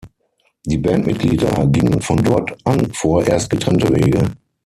Die Bandmitglieder gingen von dort an vorerst getrennte Wege.